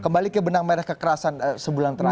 kembali ke benang merah kekerasan sebulan terakhir